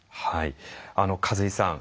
數井さん